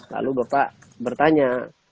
lalu bapak bertanya